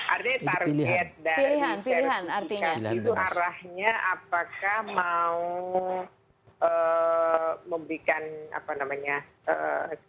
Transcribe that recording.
artinya tarifiat dari sertifikat itu arahnya apakah mau memberikan apa namanya semacam ukuran